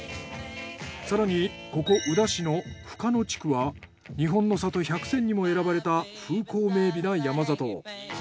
更にここ宇陀市の深野地区はにほんの里１００選にも選ばれた風光明媚な山里。